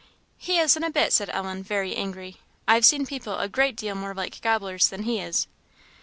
"He isn't a bit," said Ellen, very angry; "I've seen people a great deal more like gobblers than he is."